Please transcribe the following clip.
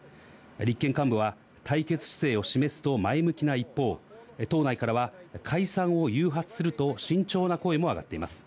立憲幹部は対決姿勢を示すと前向きな一方、党内からは解散を誘発すると慎重な声も上がっています。